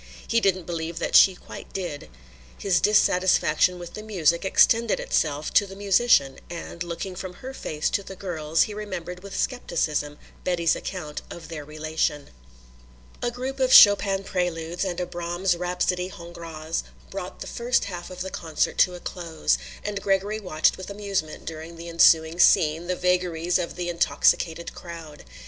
He didn't believe that she quite did. His dissatisfaction with the music extended itself to the musician and, looking from her face to the girl's, he remembered with scepticism Betty's account of their relation. A group of Chopin Preludes and a Brahms Rhapsodie Hongroise brought the first half of the concert to a close, and Gregory watched with amusement, during the ensuing scene, the vagaries of the intoxicated crowd.